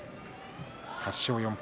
８勝４敗